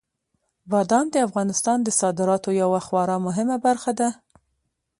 بادام د افغانستان د صادراتو یوه خورا مهمه برخه ده.